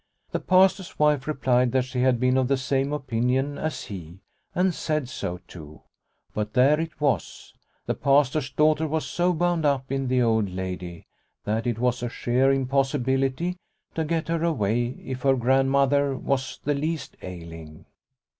The Pastor's wife replied that she had been of the same opinion as he, and said so too. But there it was : the Pastor's daughter was so bound up in the old lady that it was a sheer impossi bility to get her away if her Grandmother was the least ailing.